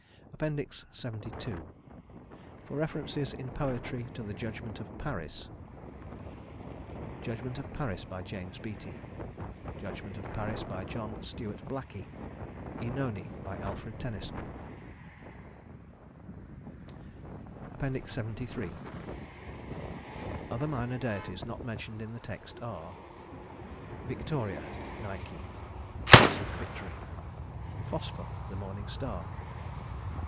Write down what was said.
LXXII For references in poetry to the judgment of Paris: Judgment of Paris JAMES BEATTIE Judgment of Paris JOHN STUART BLACKIE Œnone ALFRED TENNYSON LXXIII Other minor deities not mentioned in the text are: Victoria (Nike), goddess of victory. Phosphor, the morning star.